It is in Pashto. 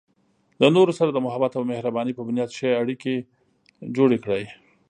د نورو سره د محبت او مهربانۍ په بنیاد ښه اړیکې جوړې کړئ.